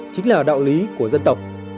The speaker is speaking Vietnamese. chính là đạo lý của dân tộc